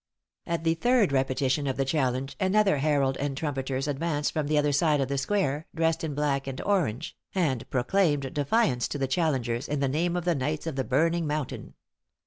At the third repetition of the challenge, another herald and trumpeters advanced from the other side of the square, dressed in black and orange, and proclaimed defiance to the challengérs, in the name of the knights of the Burning Mountain.